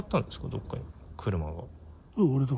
どっかに、車が。